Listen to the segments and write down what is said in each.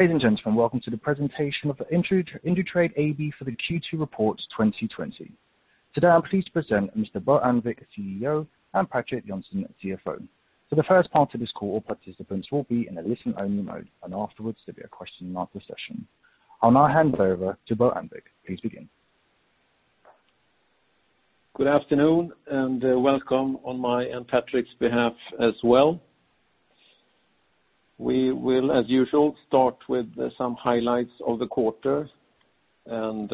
Ladies and gentlemen, welcome to the presentation of the Indutrade AB for the Q2 report 2020. Today, I'm pleased to present Mr. Bo Annvik, CEO, and Patrik Johnson, CFO. For the first part of this call, participants will be in a listen-only mode, and afterwards there'll be a question and answer session. I'll now hand over to Bo Annvik. Please begin. Good afternoon, welcome on my and Patrik's behalf as well. We will, as usual, start with some highlights of the quarter, and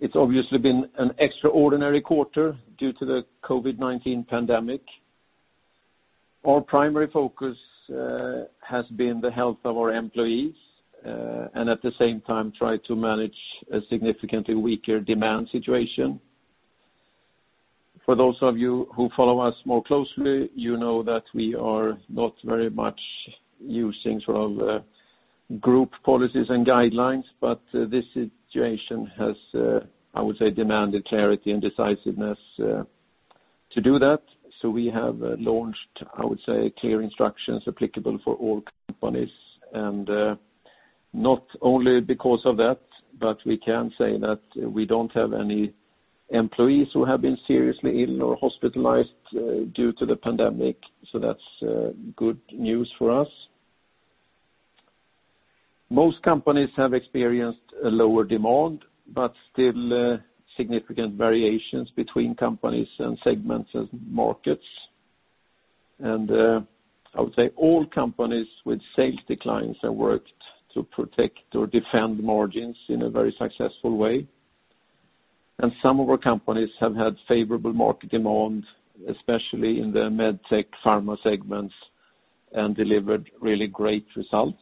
it's obviously been an extraordinary quarter due to the COVID-19 pandemic. Our primary focus has been the health of our employees, and at the same time try to manage a significantly weaker demand situation. For those of you who follow us more closely, you know that we are not very much using group policies and guidelines, but this situation has, I would say, demanded clarity and decisiveness to do that. We have launched, I would say, clear instructions applicable for all companies and not only because of that, but we can say that we don't have any employees who have been seriously ill or hospitalized due to the pandemic. That's good news for us. Most companies have experienced a lower demand, still significant variations between companies and segments and markets. I would say all companies with sales declines have worked to protect or defend margins in a very successful way. Some of our companies have had favorable market demand, especially in the MedTech pharma segments, and delivered really great results.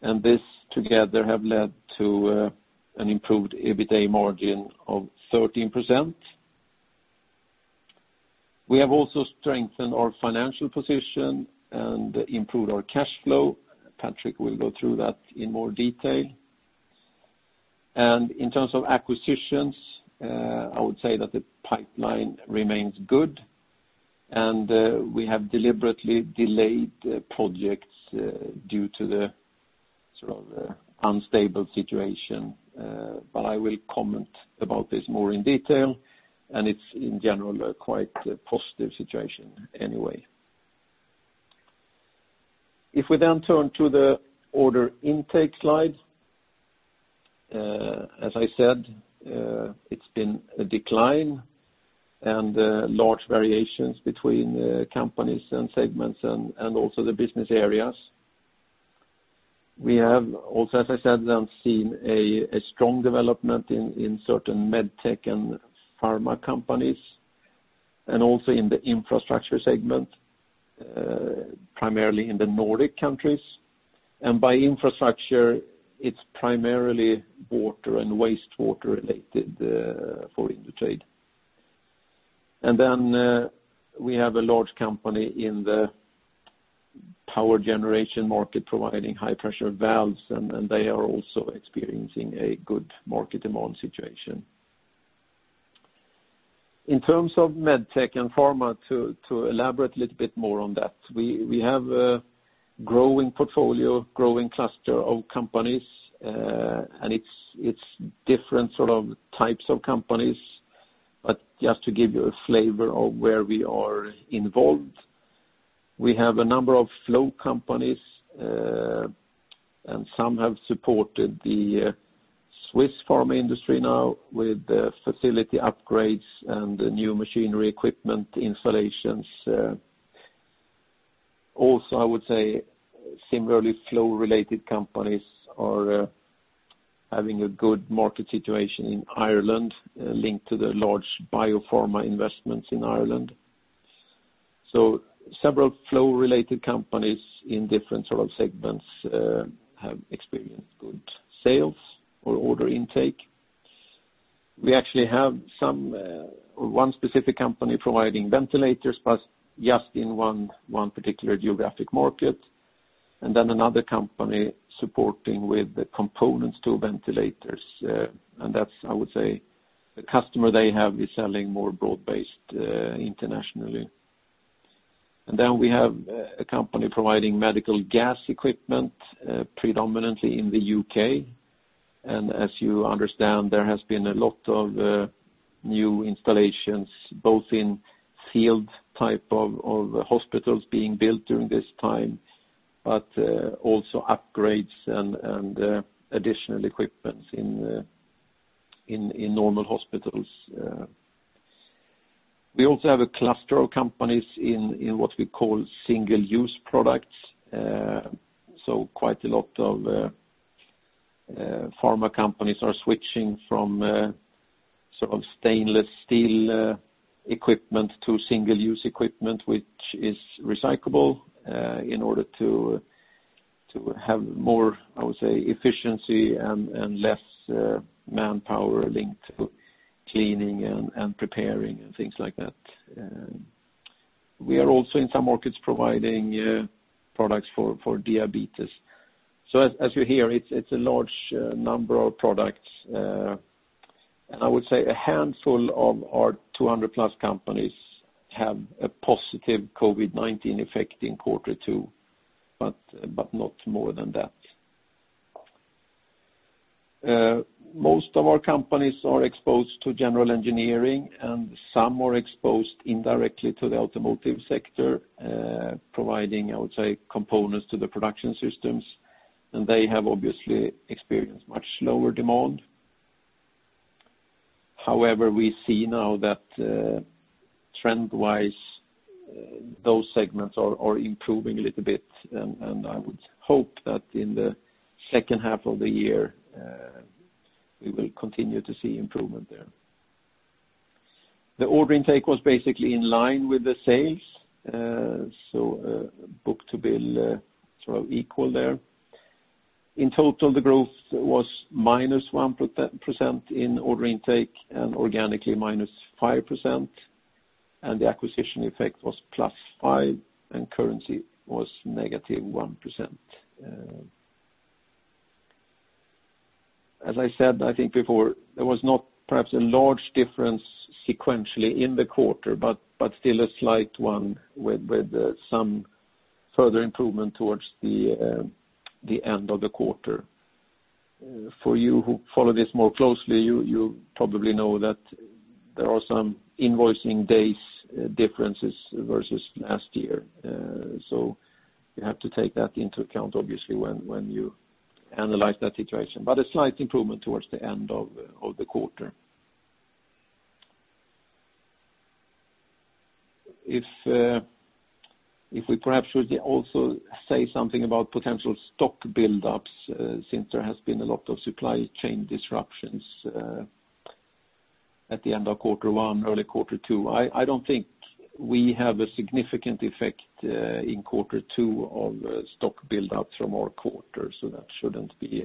This together have led to an improved EBITA margin of 13%. We have also strengthened our financial position and improved our cash flow. Patrik will go through that in more detail. In terms of acquisitions, I would say that the pipeline remains good and we have deliberately delayed projects due to the unstable situation. I will comment about this more in detail. It's in general, a quite positive situation anyway. If we turn to the order intake slide. As I said, it's been a decline and large variations between companies and segments and also the business areas. We have also, as I said, seen a strong development in certain MedTech and pharma companies and also in the infrastructure segment, primarily in the Nordic countries. By infrastructure, it's primarily water and wastewater related for Indutrade. We have a large company in the power generation market providing high pressure valves, and they are also experiencing a good market demand situation. In terms of MedTech and pharma, to elaborate a little bit more on that, we have a growing portfolio, growing cluster of companies, and it's different types of companies. Just to give you a flavor of where we are involved, we have a number of flow companies, and some have supported the Swiss pharma industry now with facility upgrades and new machinery equipment installations. Also, I would say similarly flow related companies are having a good market situation in Ireland linked to the large biopharma investments in Ireland. Several flow related companies in different segments have experienced good sales or order intake. We actually have one specific company providing ventilators, but just in one particular geographic market, and then another company supporting with the components to ventilators. That's, I would say, the customer they have is selling more broad-based internationally. Then we have a company providing medical gas equipment predominantly in the U.K. As you understand, there has been a lot of new installations, both in field type of hospitals being built during this time, but also upgrades and additional equipment in normal hospitals. We also have a cluster of companies in what we call single-use products. Quite a lot of pharma companies are switching from stainless steel equipment to single-use equipment, which is recyclable in order to have more, I would say, efficiency and less manpower linked to cleaning and preparing and things like that. We are also in some markets providing products for diabetes. As you hear, it's a large number of products. I would say a handful of our 200-plus companies have a positive COVID-19 effect in quarter two, but not more than that. Most of our companies are exposed to general engineering, and some are exposed indirectly to the automotive sector, providing, I would say, components to the production systems. They have obviously experienced much lower demand. However, we see now that trend-wise, those segments are improving a little bit. I would hope that in the second half of the year, we will continue to see improvement there. The order intake was basically in line with the sales. Book-to-bill equal there. In total, the growth was -1% in order intake and organically -5%, and the acquisition effect was plus 5%, and currency was -1%. As I said, I think before, there was not perhaps a large difference sequentially in the quarter, but still a slight one with some further improvement towards the end of the quarter. For you who follow this more closely, you probably know that there are some invoicing days differences versus last year. You have to take that into account, obviously, when you analyze that situation, but a slight improvement towards the end of the quarter. If we perhaps should also say something about potential stock buildups, since there has been a lot of supply chain disruptions at the end of Q1, early Q2. I don't think we have a significant effect in quarter two on stock buildup from our quarter, so that shouldn't be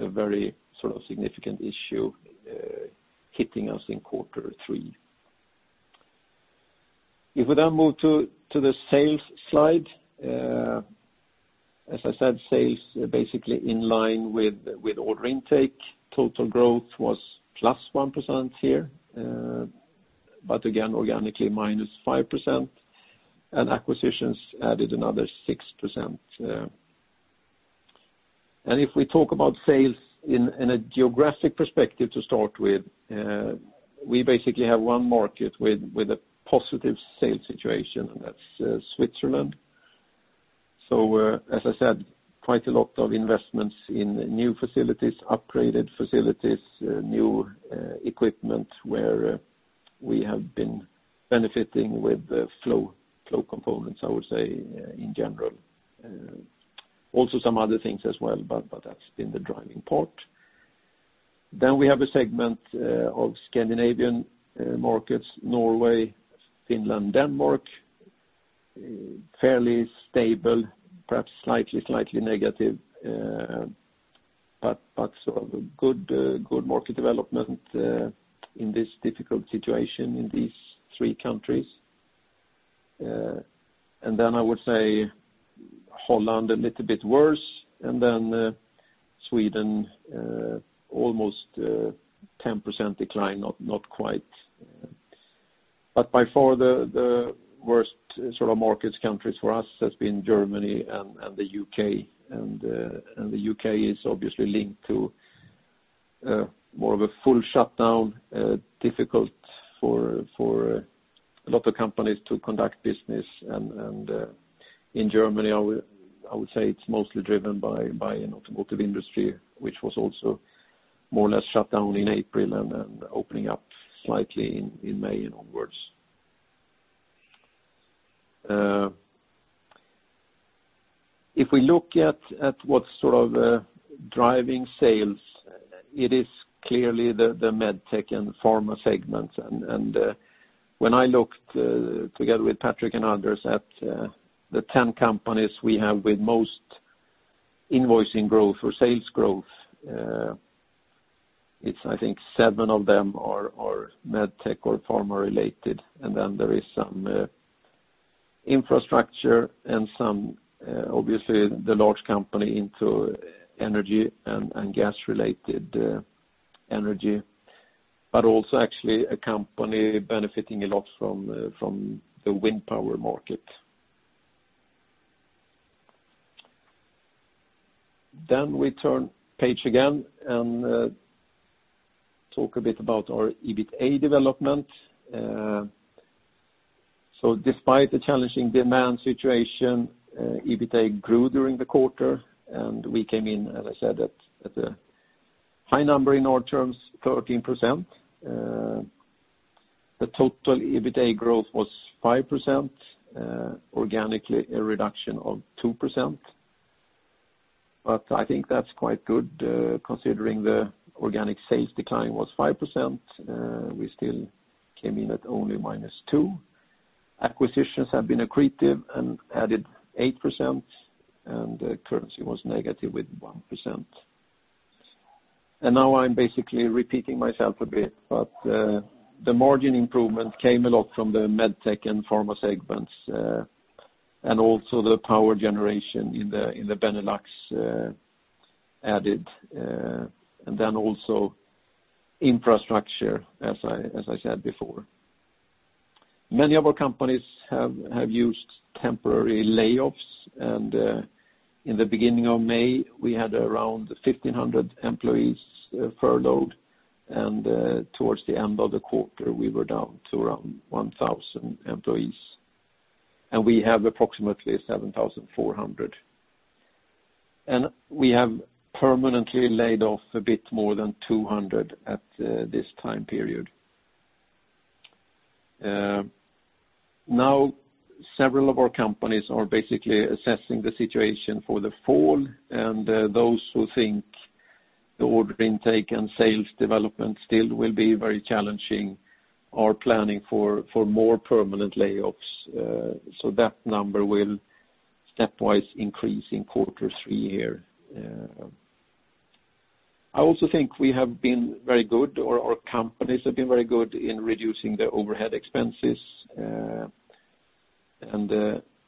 a very significant issue hitting us in quarter three. If we now move to the sales slide. As I said, sales basically in line with order intake. Total growth was plus 1% here, but again, organically minus 5%, and acquisitions added another 6%. If we talk about sales in a geographic perspective to start with, we basically have one market with a positive sales situation, and that's Switzerland. As I said, quite a lot of investments in new facilities, upgraded facilities, new equipment where we have been benefiting with flow components, I would say, in general. Also some other things as well, but that's been the driving part. We have a segment of Scandinavian markets, Norway, Finland, Denmark. Fairly stable, perhaps slightly negative, but good market development in this difficult situation in these three countries. I would say Holland a little bit worse, then Sweden almost 10% decline, not quite. By far the worst markets, countries for us has been Germany and the U.K. The U.K. is obviously linked to more of a full shutdown, difficult for a lot of companies to conduct business, and in Germany, I would say it's mostly driven by an automotive industry, which was also more or less shut down in April and opening up slightly in May and onwards. If we look at what's driving sales, it is clearly the MedTech and pharma segments. When I looked together with Patrik and others at the 10 companies we have with most invoicing growth or sales growth, it is I think seven of them are MedTech or pharma related, and there is some infrastructure and obviously the large company into energy and gas-related energy, but also actually a company benefiting a lot from the wind power market. We turn page again and talk a bit about our EBITA development. Despite the challenging demand situation, EBITA grew during the quarter, and we came in, as I said, at a high number in our terms, 13%. The total EBITA growth was 5%, organically a reduction of 2%. I think that is quite good considering the organic sales decline was 5%. We still came in at only -2%. Acquisitions have been accretive and added 8%, and currency was negative with 1%. Now I'm basically repeating myself a bit, the margin improvement came a lot from the MedTech and pharma segments. Also the power generation in the Benelux added, also infrastructure, as I said before. Many of our companies have used temporary layoffs, and in the beginning of May, we had around 1,500 employees furloughed, and towards the end of the quarter, we were down to around 1,000 employees. We have approximately 7,400. We have permanently laid off a bit more than 200 at this time period. Now several of our companies are basically assessing the situation for the fall, and those who think the order intake and sales development still will be very challenging are planning for more permanent layoffs. That number will stepwise increase in quarter three here. I also think our companies have been very good in reducing their overhead expenses.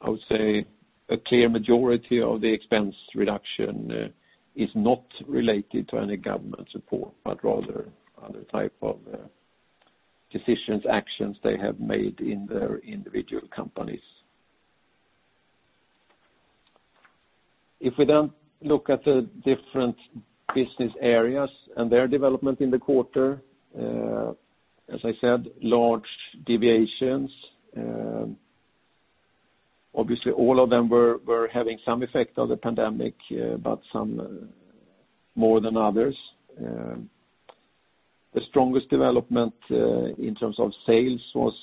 I would say a clear majority of the expense reduction is not related to any government support, but rather other type of decisions, actions they have made in their individual companies. If we then look at the different business areas and their development in the quarter, as I said, large deviations. All of them were having some effect of the pandemic, but some more than others. The strongest development in terms of sales was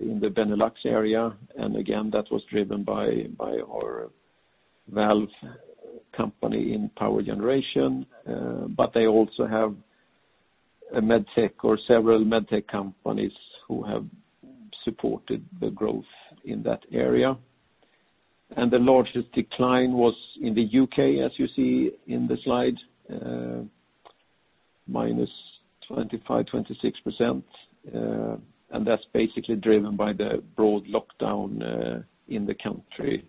in the Benelux area, and again, that was driven by our valve company in power generation, but they also have a MedTech or several MedTech companies who have supported the growth in that area. The largest decline was in the U.K., as you see in the slide, -25%, -26%. That's basically driven by the broad lockdown in the country,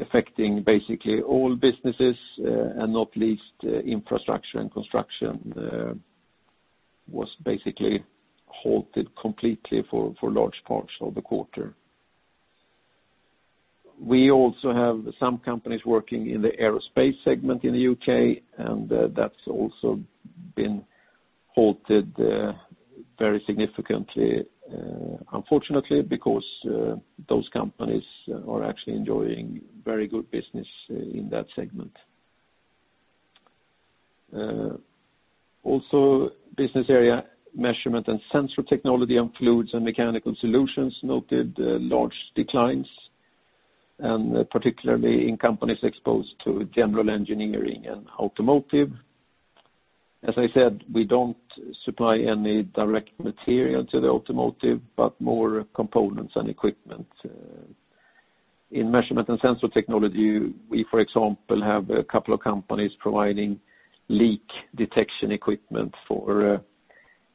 affecting basically all businesses, and not least infrastructure and construction was basically halted completely for large parts of the quarter. We also have some companies working in the aerospace segment in the U.K., and that's also been halted very significantly, unfortunately, because those companies are actually enjoying very good business in that segment. Also, business area Measurement & Sensor Technology and Fluids & Mechanical Solutions noted large declines, and particularly in companies exposed to general engineering and automotive. As I said, we don't supply any direct material to the automotive, but more components and equipment. In Measurement & Sensor Technology, we, for example, have a couple of companies providing leak detection equipment for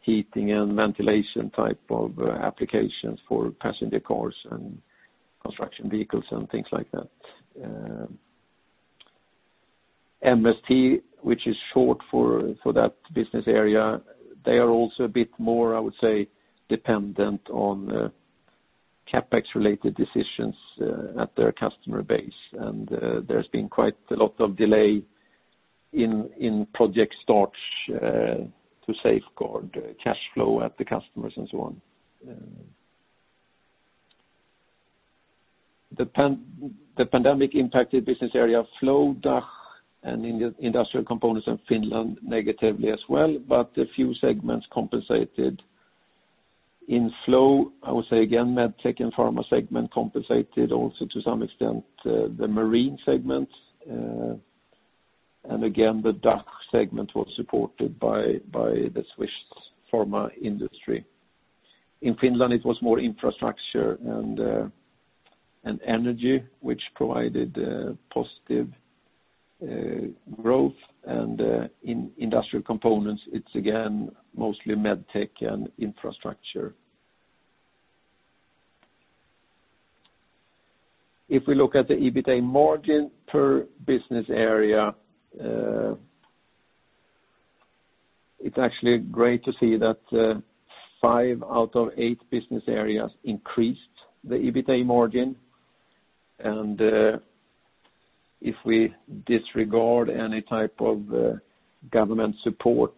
heating and ventilation type of applications for passenger cars and construction vehicles and things like that. MST, which is short for that business area, they are also a bit more, I would say, dependent on CapEx related decisions at their customer base. There's been quite a lot of delay in project starts to safeguard cash flow at the customers and so on. The pandemic impacted business area Flow, DACH, and Industrial Components in Finland negatively as well, but a few segments compensated. In Flow, I would say again, MedTech and pharma segment compensated also to some extent the marine segment. Again, the DACH segment was supported by the Swiss pharma industry. In Finland, it was more infrastructure and energy which provided positive growth, and in Industrial Components, it's again mostly MedTech and infrastructure. If we look at the EBITA margin per business area, it's actually great to see that five out of eight business areas increased the EBITA margin. If we disregard any type of government support,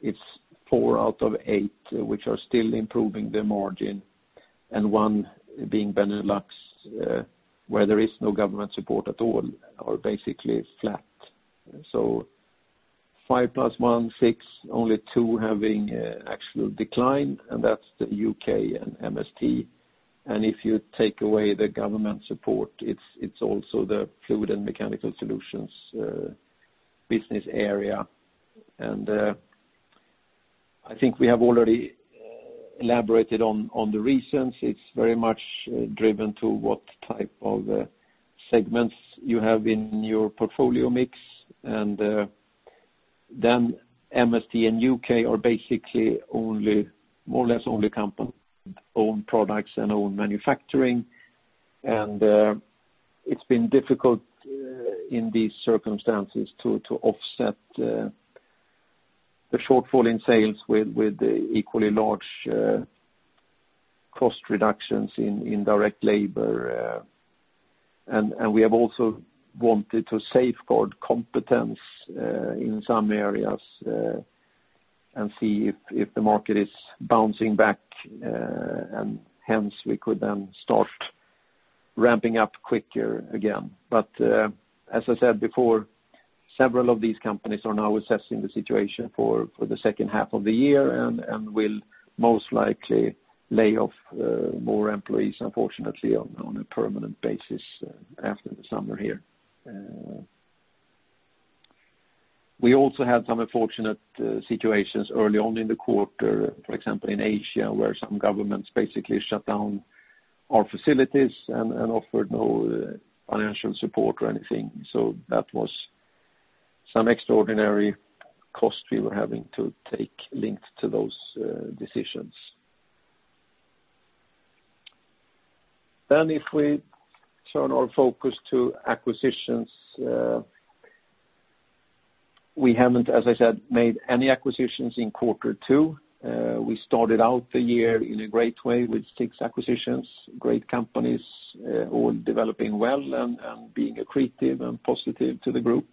it's four out of eight which are still improving the margin, and one being Benelux where there is no government support at all are basically flat. Five plus one, six, only two having actual decline, and that's the U.K. and MST. If you take away the government support, it's also the Fluids & Mechanical Solutions business area. I think we have already elaborated on the reasons. It's very much driven to what type of segments you have in your portfolio mix and then MST in U.K. are basically more or less only company owned products and own manufacturing. It's been difficult in these circumstances to offset the shortfall in sales with the equally large cost reductions in direct labor. We have also wanted to safeguard competence in some areas, and see if the market is bouncing back, hence we could then start ramping up quicker again. As I said before, several of these companies are now assessing the situation for the second half of the year and will most likely lay off more employees, unfortunately, on a permanent basis after the summer here. We also had some unfortunate situations early on in the quarter, for example, in Asia, where some governments basically shut down our facilities and offered no financial support or anything. That was some extraordinary cost we were having to take linked to those decisions. If we turn our focus to acquisitions. We haven't, as I said, made any acquisitions in Q2. We started out the year in a great way with six acquisitions, great companies, all developing well and being accretive and positive to the group.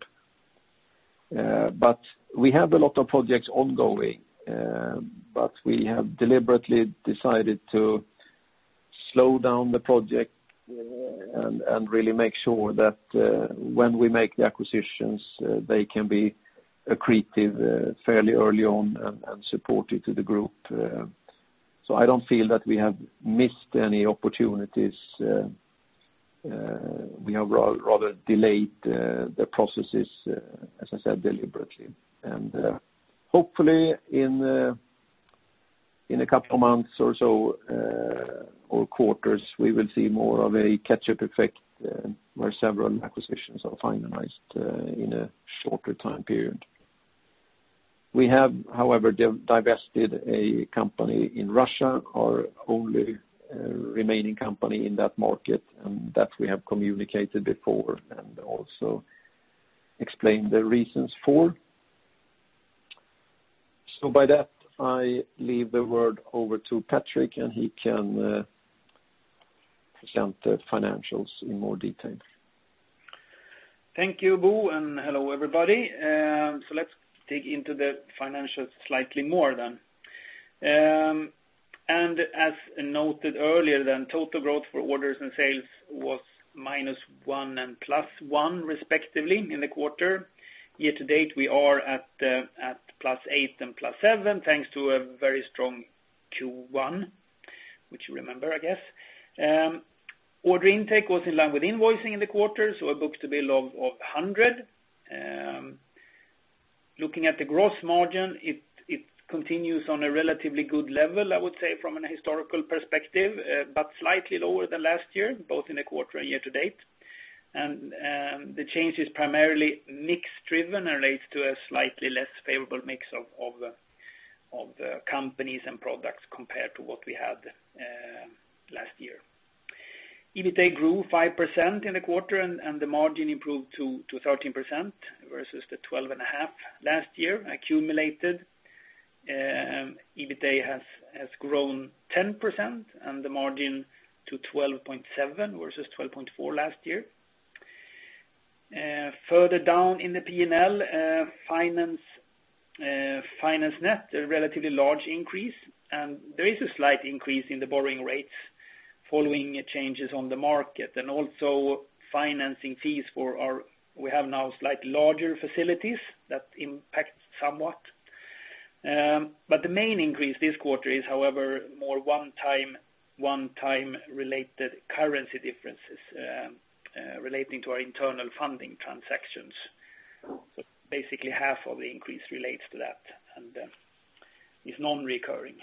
We have a lot of projects ongoing, we have deliberately decided to slow down the project and really make sure that when we make the acquisitions, they can be accretive fairly early on and supportive to the group. I don't feel that we have missed any opportunities. We have rather delayed the processes, as I said, deliberately. Hopefully in a couple of months or so, or quarters, we will see more of a catch-up effect where several acquisitions are finalized in a shorter time period. We have, however, divested a company in Russia, our only remaining company in that market, and that we have communicated before and also explained the reasons for. By that, I leave the word over to Patrik, and he can present the financials in more detail. Thank you, Bo. Hello, everybody. Let's dig into the financials slightly more. As noted earlier, total growth for orders and sales was -1 and +1 respectively in the quarter. Year to date, we are at +8 and +7, thanks to a very strong Q1, which you remember, I guess. Order intake was in line with invoicing in the quarter, a book-to-bill of 100. Looking at the gross margin, it continues on a relatively good level, I would say, from a historical perspective, slightly lower than last year, both in the quarter and year to date. The change is primarily mix driven and relates to a slightly less favorable mix of the companies and products compared to what we had last year. EBITA grew 5% in the quarter, the margin improved to 13% versus the 12.5 last year accumulated. EBITA has grown 10%, and the margin to 12.7% versus 12.4% last year. Further down in the P&L, finance net, a relatively large increase. There is a slight increase in the borrowing rates following changes on the market, and also financing fees for our slightly larger facilities that impact somewhat. The main increase this quarter is, however, more one-time related currency differences relating to our internal funding transactions. Basically, half of the increase relates to that and is non-recurring,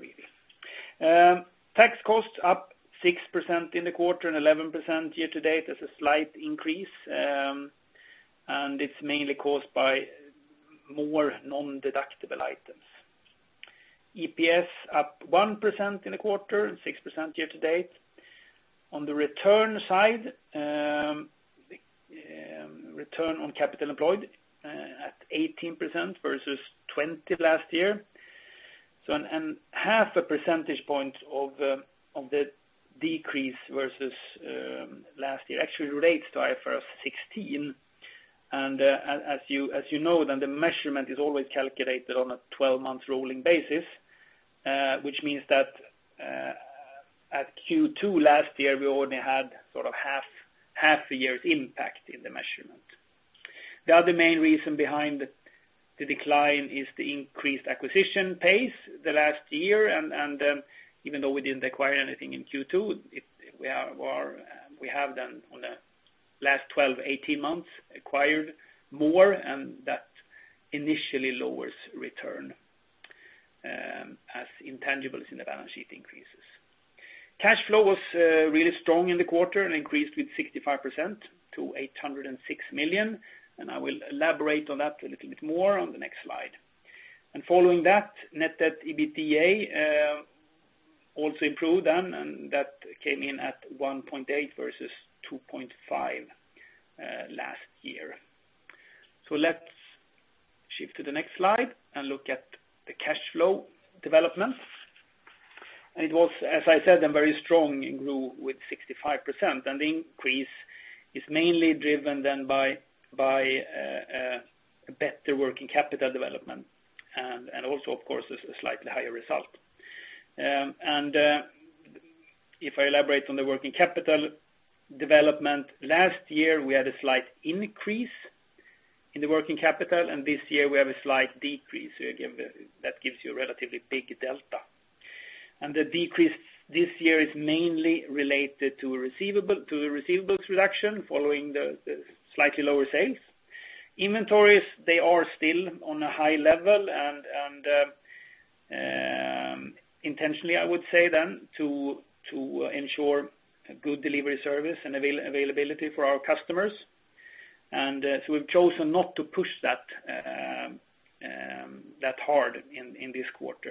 really. Tax cost up 6% in the quarter and 11% year to date. There's a slight increase, and it's mainly caused by more non-deductible items. EPS up 1% in the quarter and 6% year to date. On the return side, Return on Capital Employed at 18% versus 20% last year. Half a percentage point of the decrease versus last year actually relates to IFRS 16. As you know, the measurement is always calculated on a 12-month rolling basis, which means that at Q2 last year, we only had sort of half a year's impact in the measurement. The other main reason behind the decline is the increased acquisition pace the last year. Even though we didn't acquire anything in Q2, we have on the last 12, 18 months acquired more, and that initially lowers return. Intangibles in the balance sheet increases. Cash flow was really strong in the quarter and increased with 65% to 806 million. I will elaborate on that a little bit more on the next slide. Following that, net debt/EBITA also improved, that came in at 1.8 versus 2.5 last year. Let's shift to the next slide and look at the cash flow developments. It was, as I said, very strong and grew with 65%. The increase is mainly driven by better working capital development and also, of course, a slightly higher result. If I elaborate on the working capital development, last year we had a slight increase in the working capital, and this year we have a slight decrease. That gives you a relatively big delta. The decrease this year is mainly related to receivables reduction following the slightly lower sales. Inventories, they are still on a high level and intentionally, I would say, to ensure good delivery service and availability for our customers. We've chosen not to push that hard in this quarter.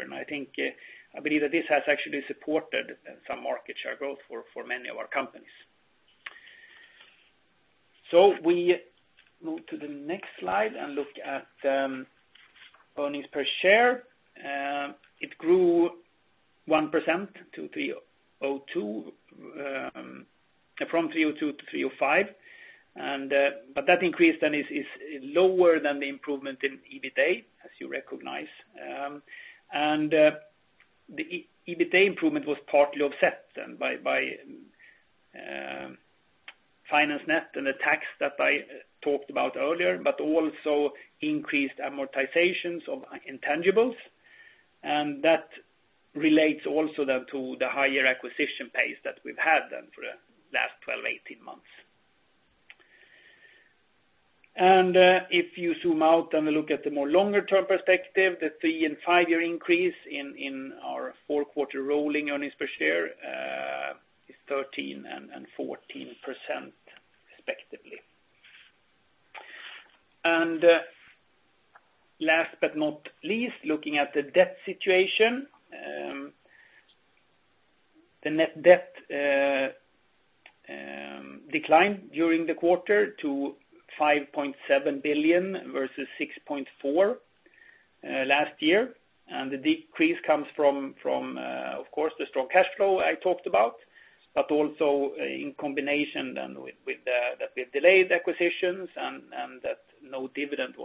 I believe that this has actually supported some market share growth for many of our companies. We move to the next slide and look at earnings per share. It grew 1% from 3.02 to 3.05. That increase then is lower than the improvement in EBITDA, as you recognize. The EBITDA improvement was partly offset then by finance net and the tax that I talked about earlier, but also increased amortizations of intangibles. That relates also then to the higher acquisition pace that we've had then for the last 12, 18 months. If you zoom out and look at the more longer-term perspective, the three and five year increase in our four quarter rolling earnings per share is 13% and 14%, respectively. Last but not least, looking at the debt situation. The net debt declined during the quarter to 5.7 billion versus 6.4 last year. The decrease comes from, of course, the strong cash flow I talked about, but also in combination then with that we've delayed acquisitions and that no dividend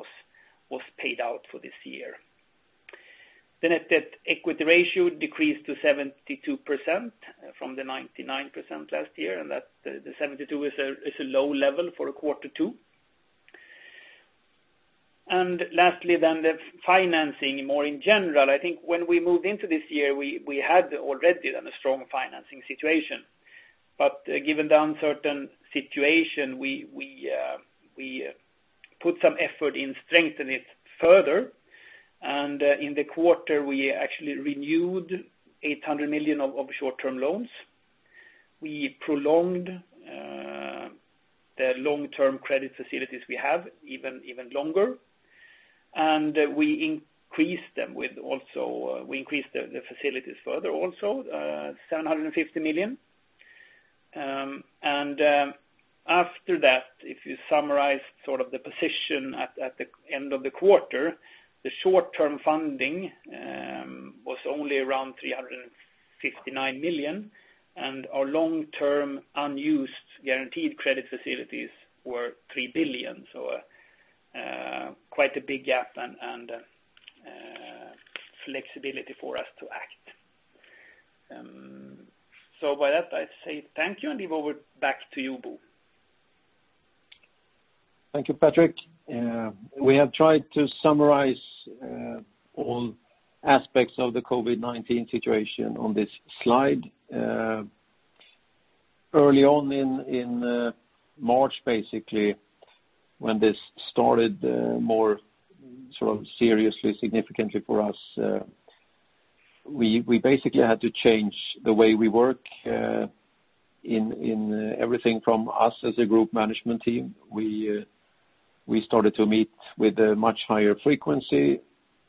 was paid out for this year. The net debt/equity ratio decreased to 72% from the 99% last year, and the 72 is a low level for a Q2. Lastly, the financing more in general. I think when we moved into this year, we had already then a strong financing situation. Given the uncertain situation, we put some effort in strengthening it further. In the quarter, we actually renewed 800 million of short-term loans. We prolonged the long-term credit facilities we have even longer. We increased the facilities further also, 750 million. After that, if you summarize the position at the end of the quarter, the short-term funding was only around 359 million, and our long-term unused guaranteed credit facilities were 3 billion. Quite a big gap and flexibility for us to act. With that, I say thank you, and leave over back to you, Bo. Thank you, Patrik. We have tried to summarize all aspects of the COVID-19 situation on this slide. Early on in March, basically, when this started more seriously, significantly for us, we basically had to change the way we work in everything from us as a group management team. We started to meet with a much higher frequency.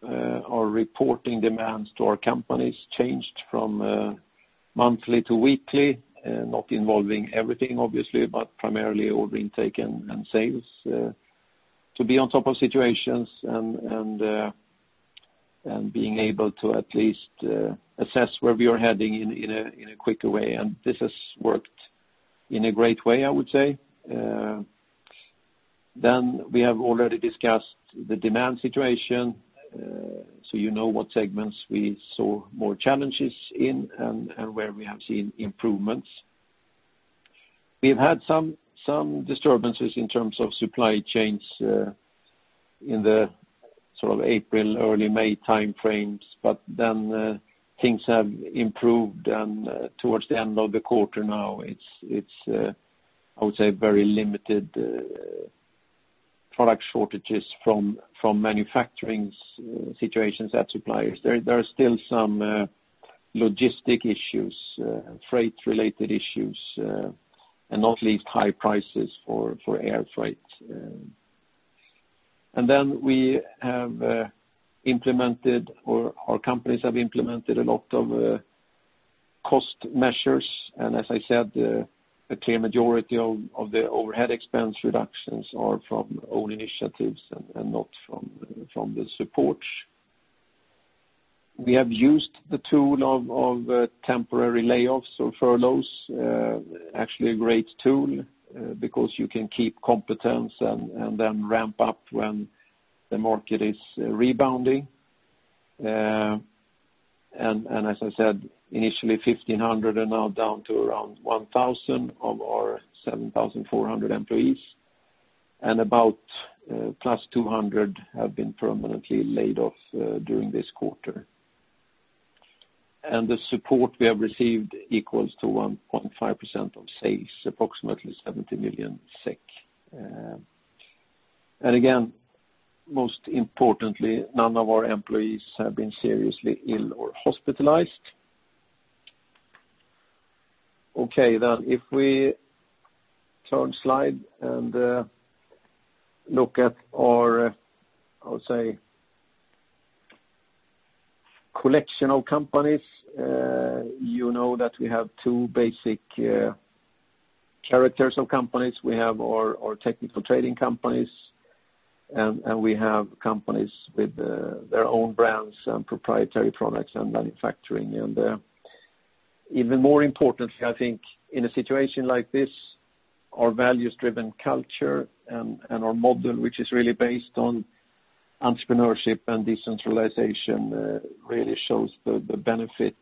Our reporting demands to our companies changed from monthly to weekly, not involving everything, obviously, but primarily order intake and sales to be on top of situations and being able to at least assess where we are heading in a quicker way. This has worked in a great way, I would say. We have already discussed the demand situation, so you know what segments we saw more challenges in and where we have seen improvements. We've had some disturbances in terms of supply chains in the April, early May time frames. Things have improved towards the end of the quarter now. It's, I would say, very limited product shortages from manufacturing situations at suppliers. There are still some logistic issues, freight-related issues, and not least high prices for air freight. Our companies have implemented a lot of cost measures, and as I said, the clear majority of the overhead expense reductions are from own initiatives and not from the support. We have used the tool of temporary layoffs or furloughs. Actually a great tool because you can keep competence and then ramp up when the market is rebounding. As I said, initially 1,500 are now down to around 1,000 of our 7,400 employees, and about +200 have been permanently laid off during this quarter. The support we have received equals to 1.5% of sales, approximately 70 million SEK. Again, most importantly, none of our employees have been seriously ill or hospitalized. Okay, if we turn slide and look at our, I would say, collection of companies. You know that we have two basic characters of companies. We have our technical trading companies, and we have companies with their own brands and proprietary products and manufacturing. Even more importantly, I think, in a situation like this, our values-driven culture and our model, which is really based on entrepreneurship and decentralization, really shows the benefit.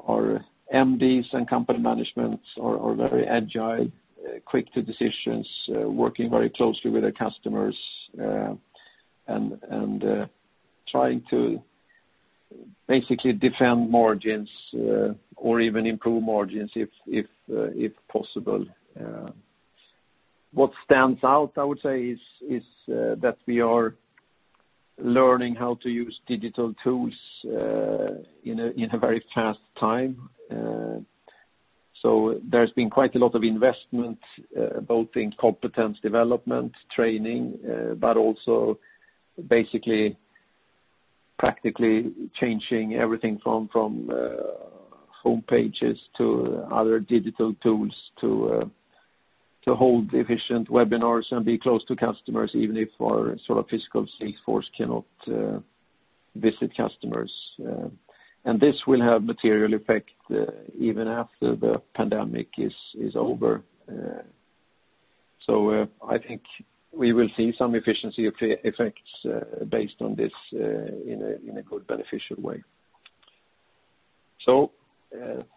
Our MDs and company managements are very agile, quick to decisions, working very closely with their customers, and trying to basically defend margins or even improve margins if possible. What stands out, I would say, is that we are learning how to use digital tools in a very fast time. There's been quite a lot of investment both in competence development training, but also basically practically changing everything from homepages to other digital tools to hold efficient webinars and be close to customers, even if our physical sales force cannot visit customers. This will have material effect even after the pandemic is over. I think we will see some efficiency effects based on this in a good beneficial way.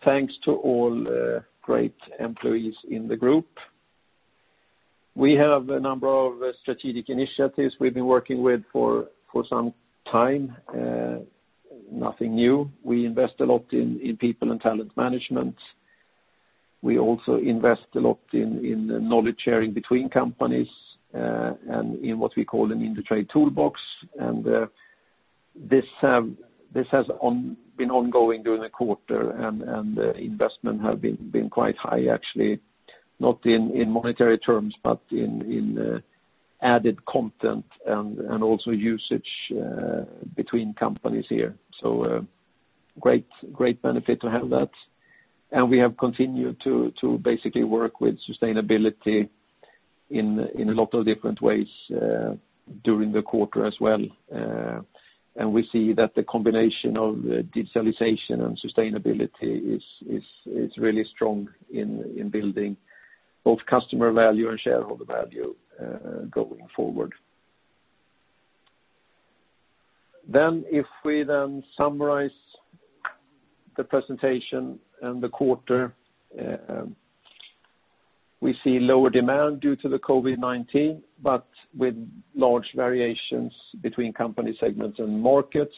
Thanks to all great employees in the group. We have a number of strategic initiatives we've been working with for some time. Nothing new. We invest a lot in people and talent management. We also invest a lot in knowledge sharing between companies and in what we call an Indutrade toolbox. This has been ongoing during the quarter, and investment have been quite high, actually, not in monetary terms, but in added content and also usage between companies here. Great benefit to have that. We have continued to basically work with sustainability in a lot of different ways during the quarter as well. We see that the combination of digitalization and sustainability is really strong in building both customer value and shareholder value going forward. If we then summarize the presentation and the quarter, we see lower demand due to the COVID-19, but with large variations between company segments and markets.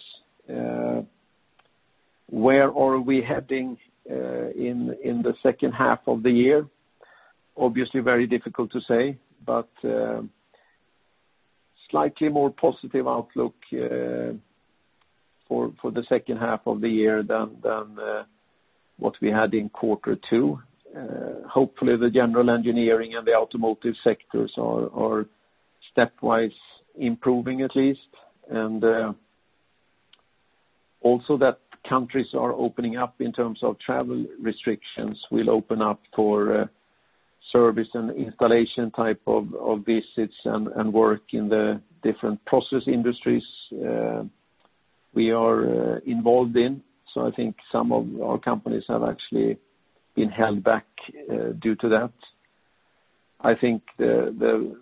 Where are we heading in the second half of the year? Obviously very difficult to say, but slightly more positive outlook for the second half of the year than what we had in quarter two. Hopefully, the general engineering and the automotive sectors are stepwise improving at least. Also that countries are opening up in terms of travel restrictions will open up for service and installation type of visits and work in the different process industries we are involved in. I think some of our companies have actually been held back due to that. I think the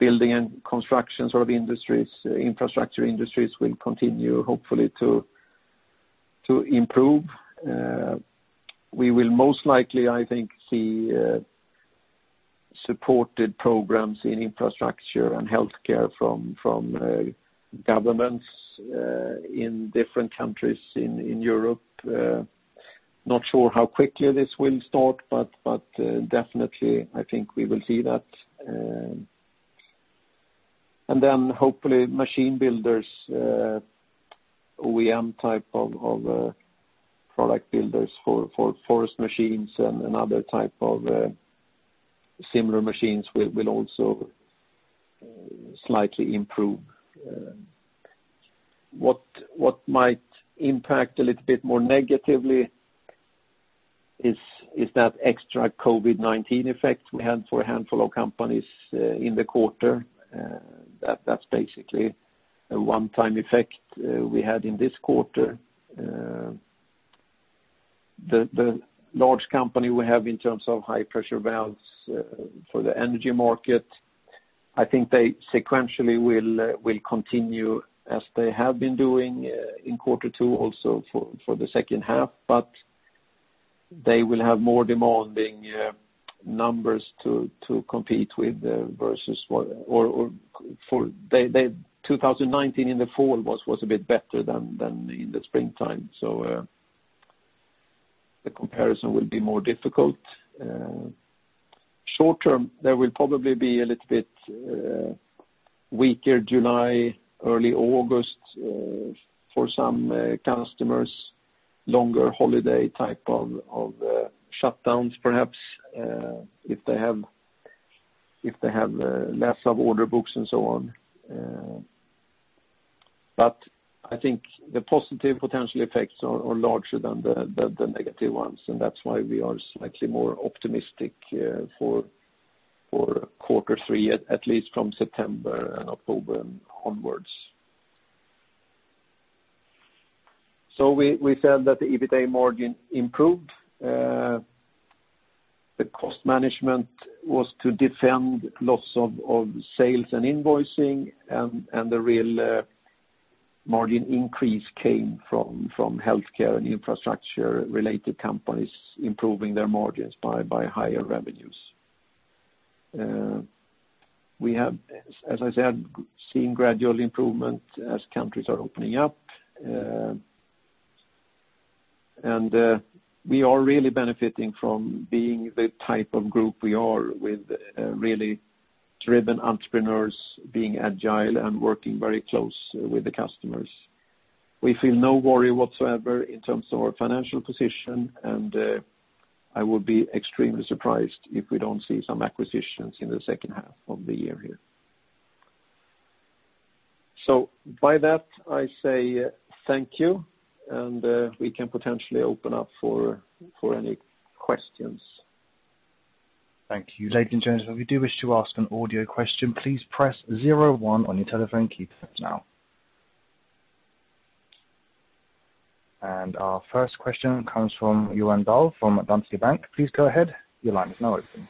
building and construction industries, infrastructure industries will continue hopefully to improve. We will most likely, I think, see supported programs in infrastructure and healthcare from governments in different countries in Europe. Not sure how quickly this will start, but definitely, I think we will see that. Hopefully machine builders, OEM type of product builders for forest machines and other type of similar machines will also slightly improve. What might impact a little bit more negatively is that extra COVID-19 effect we had for a handful of companies in the quarter. That's basically a one-time effect we had in this quarter. The large company we have in terms of high-pressure valves for the energy market, I think they sequentially will continue as they have been doing in quarter two, also for the second half, but they will have more demanding numbers to compete with versus 2019 in the fall was a bit better than in the springtime. The comparison will be more difficult. Short term, there will probably be a little bit weaker July, early August for some customers, longer holiday type of shutdowns, perhaps, if they have less order books and so on. I think the positive potential effects are larger than the negative ones, and that's why we are slightly more optimistic for quarter three, at least from September and October onwards. We said that the EBITA margin improved. The cost management was to defend lots of sales and invoicing, and the real margin increase came from healthcare and infrastructure-related companies improving their margins by higher revenues. We have, as I said, seen gradual improvement as countries are opening up. We are really benefiting from being the type of group we are, with really driven entrepreneurs being agile and working very closely with the customers. We feel no worry whatsoever in terms of our financial position, and I would be extremely surprised if we don't see some acquisitions in the second half of the year here. With that, I say thank you, and we can potentially open up for any questions. Thank you. Ladies and gentlemen, if you do wish to ask an audio question, please press 01 on your telephone keypad now. Our first question comes from Johan Dahl from DNB Bank. Please go ahead. Your line is now open.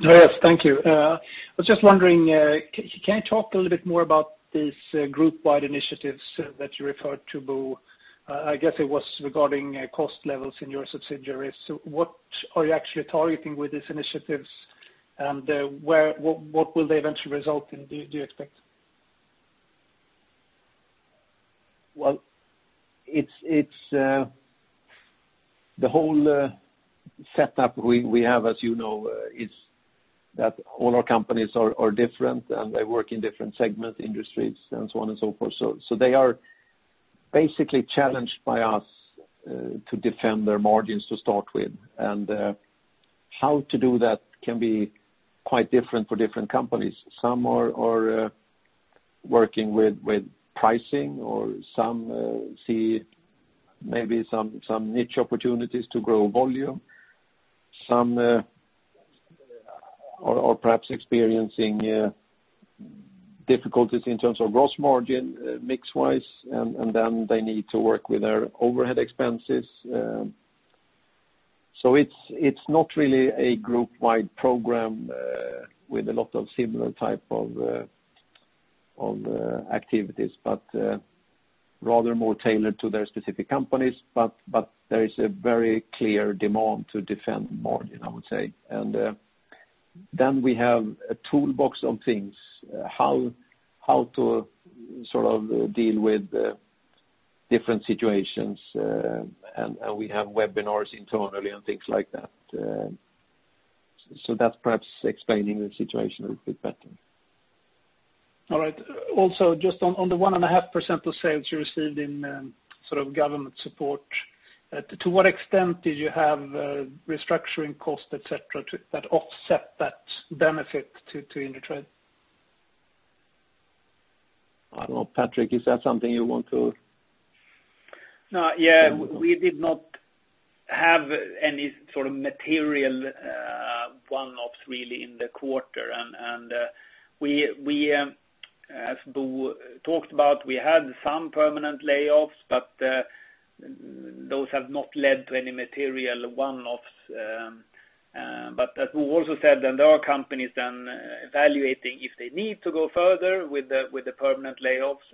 Yes. Thank you. I was just wondering, can you talk a little bit more about these group-wide initiatives that you referred to, Bo? I guess it was regarding cost levels in your subsidiaries. What are you actually targeting with these initiatives? What will they eventually result in, do you expect? Well, the whole setup we have, as you know, is that all our companies are different, and they work in different segment industries and so on and so forth. They are basically challenged by us to defend their margins to start with. How to do that can be quite different for different companies. Some are working with pricing, or some see maybe some niche opportunities to grow volume. Some are perhaps experiencing difficulties in terms of gross margin, mix-wise, and then they need to work with their overhead expenses. It's not really a group-wide program with a lot of similar type of activities, but rather more tailored to their specific companies. There is a very clear demand to defend margin, I would say. Then we have a toolbox of things, how to deal with different situations, and we have webinars internally and things like that. That's perhaps explaining the situation a little bit better. All right. Just on the 1.5% of sales you received in government support, to what extent did you have restructuring costs, et cetera, that offset that benefit to Indutrade? I don't know. Patrik, is that something you want to- No. We did not have any sort of material one-offs, really, in the quarter. As Bo talked about, we had some permanent layoffs, but those have not led to any material one-offs. As Bo also said, there are companies then evaluating if they need to go further with the permanent layoffs.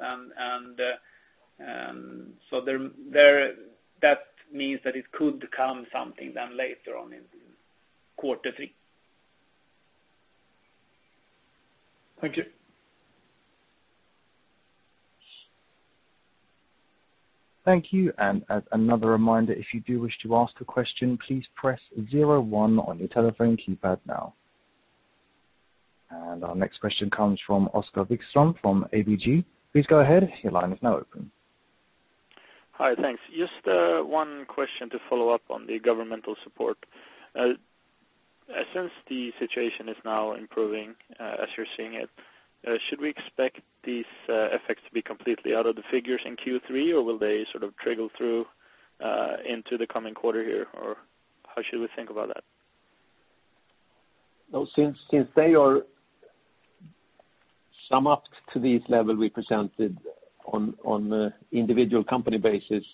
That means that it could come something then later on in quarter three. Thank you. Thank you. As another reminder, if you do wish to ask a question, please press 01 on your telephone keypad now. Our next question comes from Oskar Wikström from ABG. Please go ahead. Your line is now open. Hi, thanks. Just one question to follow up on the governmental support. Since the situation is now improving, as you're seeing it, should we expect these effects to be completely out of the figures in Q3 or will they sort of trickle through into the coming quarter here? How should we think about that? Since they are summed up to this level we presented on individual company basis.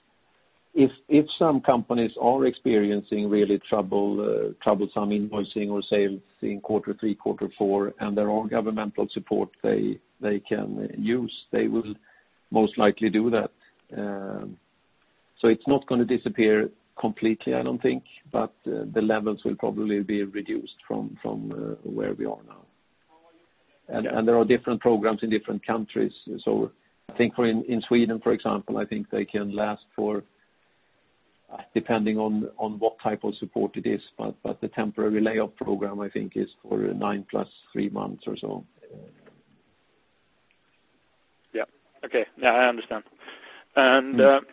If some companies are experiencing really troublesome invoicing or sales in quarter three, quarter four, and there are governmental support they can use, they will most likely do that. It's not going to disappear completely, I don't think, but the levels will probably be reduced from where we are now. There are different programs in different countries. I think for in Sweden, for example, I think they can last for, depending on what type of support it is, but the temporary layoff program, I think is for nine plus three months or so. Yeah. Okay. I understand. Another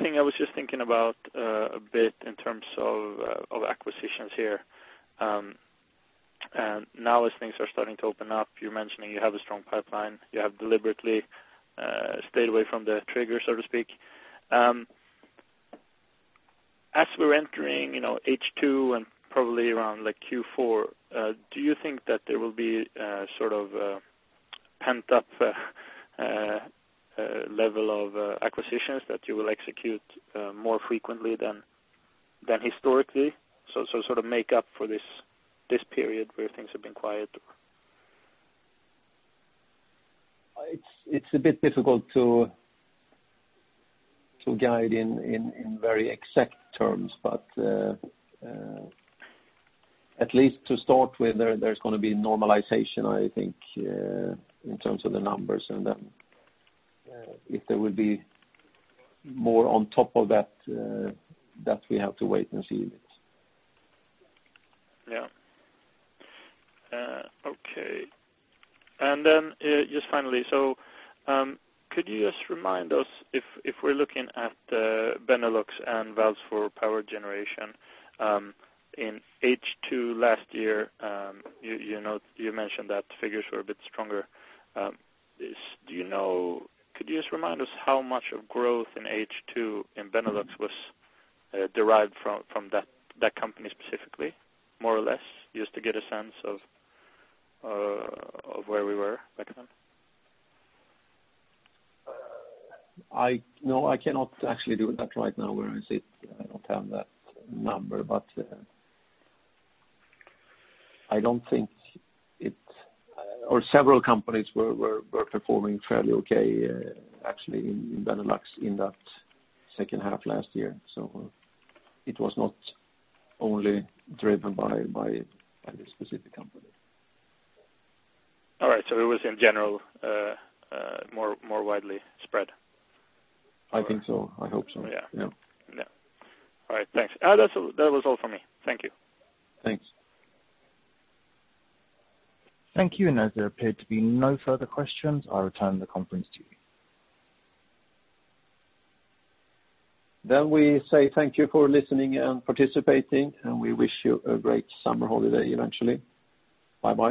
thing I was just thinking about a bit in terms of acquisitions here. Now as things are starting to open up, you're mentioning you have a strong pipeline. You have deliberately stayed away from the trigger, so to speak. As we're entering H2 and probably around Q4, do you think that there will be a pent-up level of acquisitions that you will execute more frequently than historically? Sort of make up for this period where things have been quiet. It's a bit difficult to guide in very exact terms, but at least to start with, there's going to be normalization, I think, in terms of the numbers, and then if there will be more on top of that we have to wait and see. Yeah. Okay. Just finally, could you just remind us if we're looking at the Benelux and valves for power generation, in H2 last year, you mentioned that figures were a bit stronger. Could you just remind us how much of growth in H2 in Benelux was derived from that company specifically, more or less? Just to get a sense of where we were back then. No, I cannot actually do that right now where I sit. I don't have that number, but several companies were performing fairly okay, actually in Benelux in that second half last year. It was not only driven by this specific company. All right. It was in general more widely spread? I think so. I hope so. Yeah. Yeah. Yeah. All right. Thanks. That was all for me. Thank you. Thanks. Thank you. As there appear to be no further questions, I return the conference to you. We say thank you for listening and participating, and we wish you a great summer holiday eventually. Bye-bye.